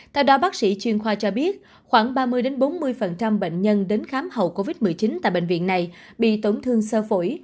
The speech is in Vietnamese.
theo đó bác sĩ chuyên khoa cho biết khoảng ba mươi bốn mươi bệnh nhân đến khám hậu covid một mươi chín tại bệnh viện này bị tổn thương sơ phổi